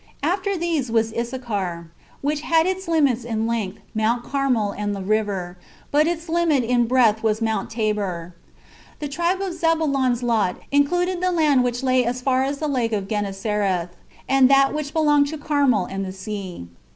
And after these was Issachar, which had its limits in length, Mount Carmel and the river, but its limit in breadth was Mount Tabor. The tribe of Zebulon's lot included the land which lay as far as the Lake of Genesareth, and that which belonged to Carmel and the sea.